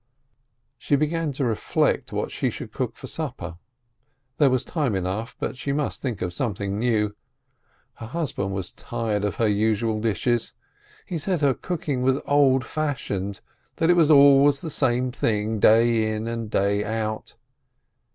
She began to reflect what she should cook for supper. There was time enough, but she must think of some thing new: her husband was tired of her usual dishes. He said her cooking was old fashioned, that it was always the same thing, day in and day out.